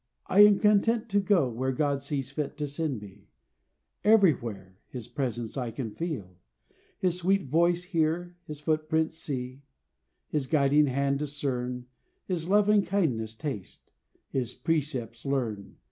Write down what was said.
I am content to go Where God sees fit to send me: everywhere His presence I can feel, His sweet voice hear, His footprints see, His guiding hand discern, His loving kindness taste, His precepts learn.